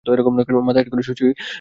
মাথা হেট করিয়া শশী নীরবে খাইয়া যায়।